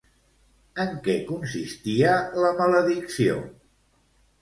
En què consistia la maledicció?